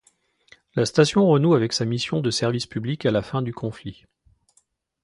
La station renoue avec sa mission de service public à la fin du conflit.